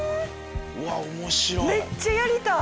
うわっ面白い。